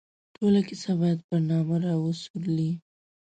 ټوله کیسه باید پر نامه را وڅورلي.